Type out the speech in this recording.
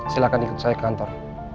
silahkan ikut saya ke kantor